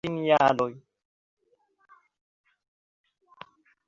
Ili akiras plenkreskan plumaron nur en la kvina jaro.